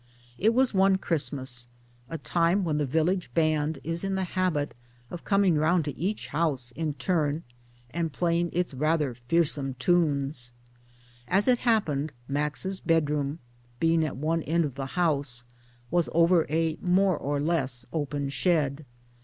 It was one Christmas ; a time when the Village Band is in the habit of coming round to each house in turn and playing its rather fearsome tunes I As it hap pened Max's bedroom, being at one end of the house, was over a more or less open shed.